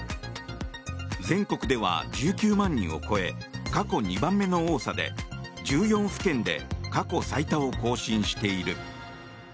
全国では１９万人を超え過去２番目の多さで１４府県で過去最多を更新している。